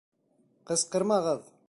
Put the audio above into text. Ҡысҡырмағыҙ!